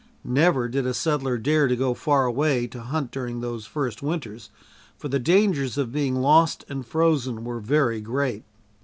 Never did a settler dare to go far away to hunt during those first winters, for the dangers of being lost and frozen were very great.